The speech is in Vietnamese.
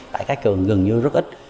tại các trường gần như rất ít